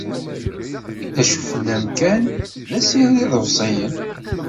D acu fell-am kan, d asired iḍebsiyen.